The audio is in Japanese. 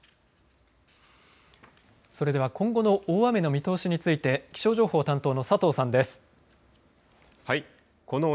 それでは今後の大雨の見通しについて気象情報担当の佐藤さんです。